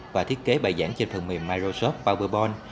và thiết kế bài giảng trên phần mềm microsoft pauberbon